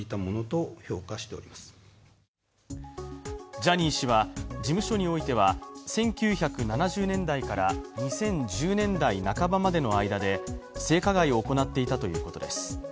ジャニー氏は事務所においては１９７０年代から２０１０年代半ばまでの間で性加害を行っていたということです。